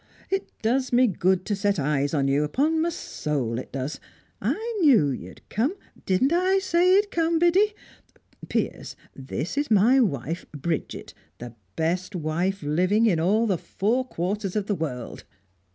"It does me good to set eyes on you, upon my soul, it does! I knew you'd come. Didn't I say he'd come, Biddy? Piers, this is my wife, Bridget the best wife living in all the four quarters of the world!"